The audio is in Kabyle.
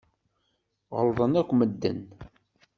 Ɣellḍen akk medden.